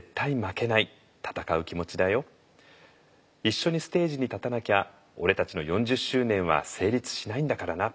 「一緒にステージに立たなきゃ俺たちの４０周年は成立しないんだからな」。